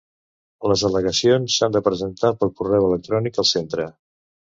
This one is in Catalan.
Les al·legacions s'han de presentar per correu electrònic al centre.